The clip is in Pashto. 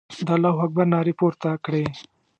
د الله اکبر نارې پورته کړې.